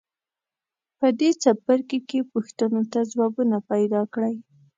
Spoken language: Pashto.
په دې څپرکي کې پوښتنو ته ځوابونه پیداکړئ.